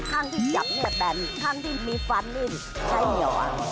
ข้างที่จับเนี่ยแบรนด์ข้างที่มีฟ้านิ่งใช้เหนียวอ่ะ